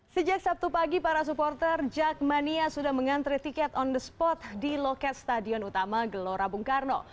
sejak sabtu pagi para supporter jakmania sudah mengantri tiket on the spot di loket stadion utama gelora bung karno